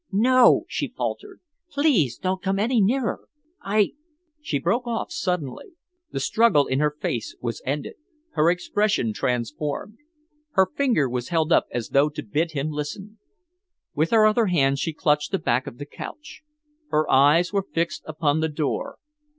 "No!" she faltered. "Please don't come any nearer. I " She broke off suddenly. The struggle in her face was ended, her expression transformed. Her finger was held up as though to bid him listen. With her other hand she clutched the back of the couch. Her eyes were fixed upon the door.